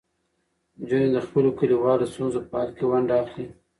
نجونې د خپلو کلیوالو ستونزو په حل کې ونډه اخلي.